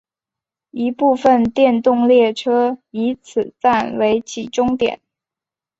一部分电动列车以此站为起终点。